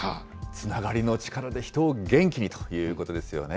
つながりの力で人を元気にということですよね。